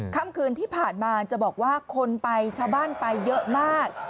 ค่ำคืนที่ผ่านมาจะบอกว่าคนไปชาวบ้านไปเยอะมาก